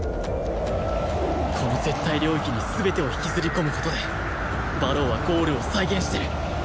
この絶対領域に全てを引きずり込む事で馬狼はゴールを再現してる